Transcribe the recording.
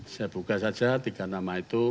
saya buka saja tiga nama itu